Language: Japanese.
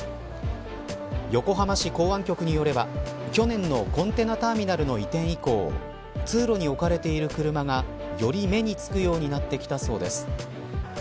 横浜市港湾局によれば去年のコンテナターミナルの移転以降通路に置かれている車がより目につくようになってきたということです。